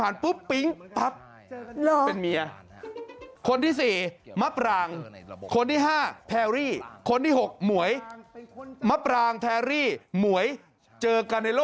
แล้วน้องแอลเบอร์๒เหรอ